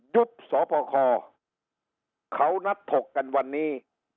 สพคเขานัดถกกันวันนี้